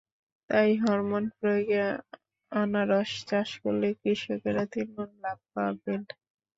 তাই হরমোন প্রয়োগে আনারস চাষ করলে কৃষকেরা তিন গুণ লাভ পাবেন।